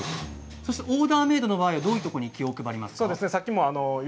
オーダーメードの場合どんなところに気を配りますか？